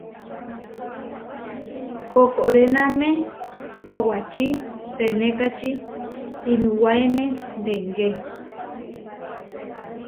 Koʼkoréname howačí senékači inuwáene dengé.